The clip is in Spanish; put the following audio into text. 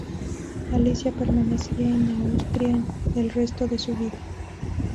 Alicia permanecería en Austria el resto de su vida.